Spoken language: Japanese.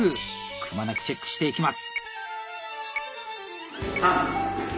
くまなくチェックしていきます！